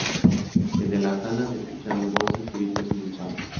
Desde la sala, se escucharon voces, gritos y disparos.